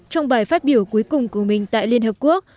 trong bài phát biểu cuối cùng của mình tại liên hợp quốc